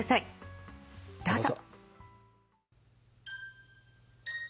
どうぞ。